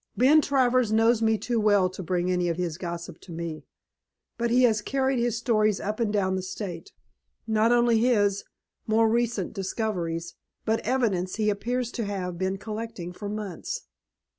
"Ben Travers knows me too well to bring any of his gossip to me. But he has carried his stories up and down the state; not only his more recent discoveries, but evidence he appears to have been collecting for months.